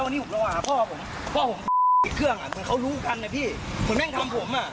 นี่อ่ะครับพี่ผมกดเงินมัน๒๐๐บาทไม่กินเงินผมอ่ะ